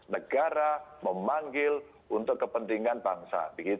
negara memanggil untuk kepentingan bangsa